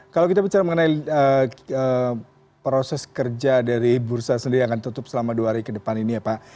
kalau kita bicara mengenai proses kerja dari bursa sendiri yang akan tutup selama dua hari ke depan ini ya pak